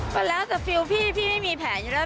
ก็แล้วแต่ฟิลพี่พี่ไม่มีแผลอยู่แล้ว